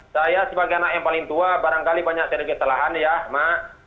saya sebagai anak yang paling tua barangkali banyak sedikit telahan ya mak